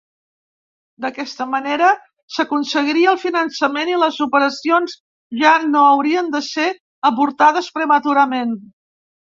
D'aquesta manera s'aconseguiria el finançament i les operacions ja no haurien de ser avortades prematurament.